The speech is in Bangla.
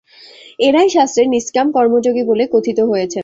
এঁরাই শাস্ত্রে নিষ্কাম কর্মযোগী বলে কথিত হয়েছেন।